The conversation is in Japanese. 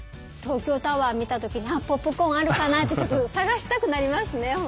東京タワー見た時に「あっポップコーンあるかな」ってちょっと探したくなりますね